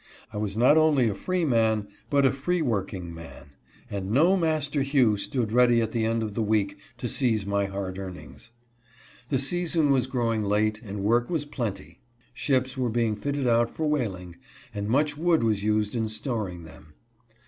I was not only a freeman but a free working man, and no master Hugh stood ready at the end of the week to seize my hard earnings. The season was growing late and work was plenty. Ships were being fitted out for whaling, and much wood 2G0 UNKIND TREATMENT. was used in storing them.